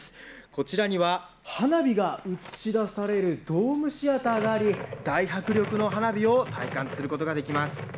こちらには花火が映し出されるドームシアターがあり大迫力の花火を体感することができます。